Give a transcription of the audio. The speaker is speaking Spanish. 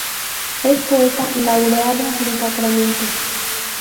Es poeta laureado de Sacramento.